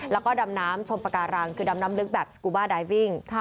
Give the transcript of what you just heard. แล้วก็ดำน้ำชมปาการังคือดำน้ำลึกแบบสกูบ้าไดวิ่ง